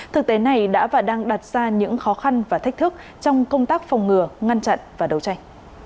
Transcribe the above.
thực tế này đã và đang đặt ra những khó khăn và thách thức trong công tác phòng ngừa ngăn chặn và đấu tranh